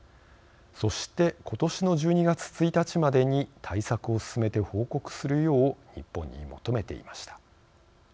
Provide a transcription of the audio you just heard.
そしてことしの１２月１日までに対策を進めて報告するよう日本に求めていました。